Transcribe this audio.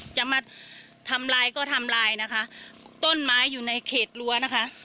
จะมาทำลายก็ทำลายนะคะต้นไม้อยู่ในเขตรั้วนะคะ